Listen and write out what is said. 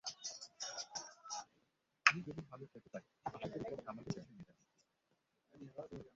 আমি যদি ভালো খেলতে পারি, আশা করি কোচ আমাকে বেছে নেবেন।